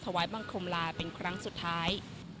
ถวายบังคมลาเป็นครั้งสุดท้าย